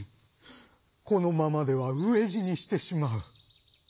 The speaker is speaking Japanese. このままではうえじにしてしまう。